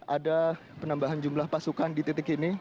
ada penambahan jumlah pasukan di titik ini